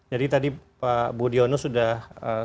jadi tadi pak budiono sudah